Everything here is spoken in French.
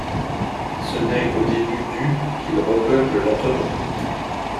Ce n'est qu'au début du qu'il repeuple lentement.